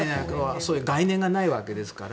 そういう概念がないわけですから。